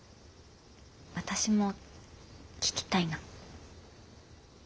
私も聞きたいな。